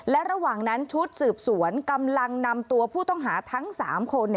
และระหว่างนั้นชุดสืบสวนกำลังนำตัวผู้ต้องหาทั้ง๓คน